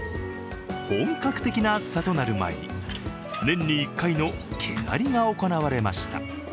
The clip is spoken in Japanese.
本格的な暑さとなる前に年に１年の毛刈りが行われました。